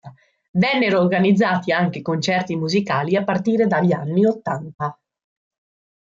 Vennero organizzati anche concerti musicali a partire dagli anni ottanta.